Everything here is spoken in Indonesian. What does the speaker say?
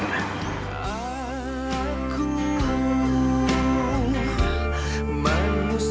klik banget sih